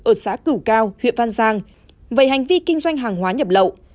ở xã cửu cao huyện văn giang về hành vi kinh doanh hàng hóa nhập lậu